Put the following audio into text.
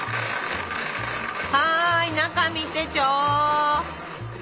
はい中見てちょ。